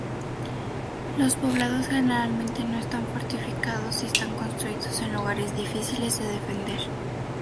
Los poblados generalmente no están fortificados y están construidos en lugares difíciles de defender.